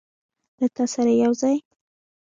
له تا سره یوځای